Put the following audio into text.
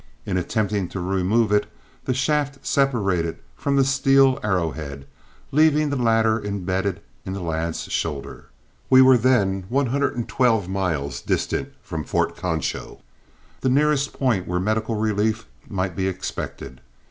In attempting to remove it the shaft separated from the steel arrowhead, leaving the latter imbedded in the lad's shoulder. We were then one hundred and twelve miles distant from Fort Concho, the nearest point where medical relief might be expected.